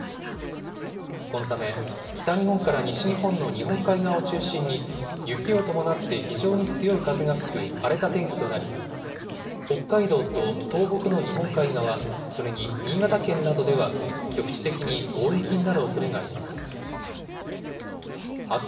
このため、北日本から西日本の日本海側を中心に、雪を伴って非常に強い風が吹く荒れた天気となり、北海道と東北の日本海側、それに新潟県などでは、局地的に大雪になるおそれがあります。